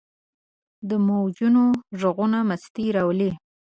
د موجونو ږغونه مستي راولي.